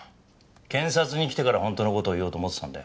検察に来てから本当の事を言おうと思ってたんだよ。